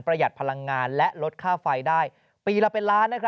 หัดพลังงานและลดค่าไฟได้ปีละเป็นล้าน